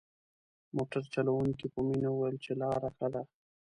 موټر چلوونکي په مينه وويل چې لاره ښه ده.